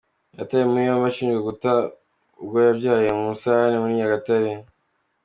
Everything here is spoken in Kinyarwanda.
Yatawe muri yombi ashinjwa guta uwo yabyaye mu musarani Muri Nyagatare